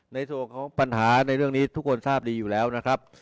ในส่วนของปัญหาในเรื่องนี้ทุกคนทราบดีอยู่แล้วนะครับ